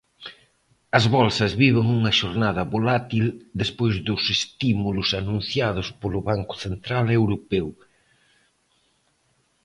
As bolsas viven unha xornada volátil despois dos estímulos anunciados polo Banco Central Europeo.